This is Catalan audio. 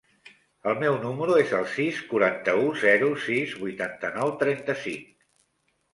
El meu número es el sis, quaranta-u, zero, sis, vuitanta-nou, trenta-cinc.